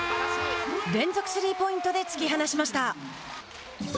連続スリーポイントで突き放しました。